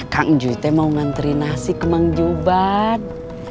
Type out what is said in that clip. kang ucuy mau ngantri nasi ke manjubat